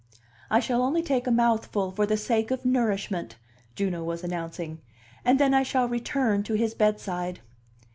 "I shall only take a mouthful for the sake of nourishment," Juno was announcing, "and then I shall return to his bedside."